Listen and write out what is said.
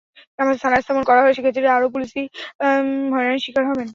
ক্যাম্পাসে থানা স্থাপন করা হলে শিক্ষার্থীরা আরও পুলিশি হয়রানির শিকার হবেন।